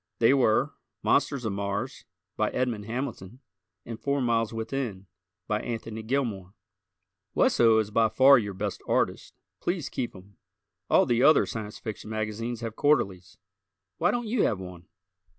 They were "Monsters of Mars," by Edmond Hamilton and "Four Miles Within," by Anthony Gilmore. Wesso is by far your best artist. Please keep him. All the other Science Fiction magazines have quarterlies. Why don't you have one?